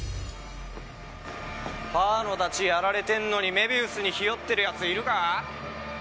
パーのダチやられてんのに愛美愛主にひよってるやついるか？